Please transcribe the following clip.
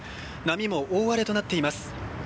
波も大荒れとなっています。